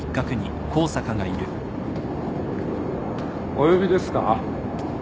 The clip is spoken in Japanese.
お呼びですか？